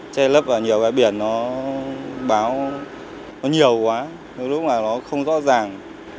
xe lấp vào nhiều cái biển nó báo nhiều quá đôi lúc là nó không rõ ràng